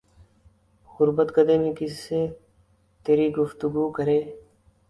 غربت کدے میں کس سے تری گفتگو کریں